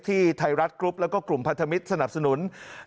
ไทยรัฐกรุ๊ปแล้วก็กลุ่มพันธมิตรสนับสนุน